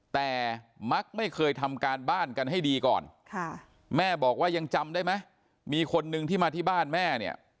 แต่มักไม่เคยทำการบ้านกันให้ดีก่อนแม่บอกว่ายังจำได้ไหมมีคนนึงที่มาที่บ้านแม่เนี่ย